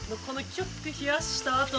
キュッて冷やしたあとの。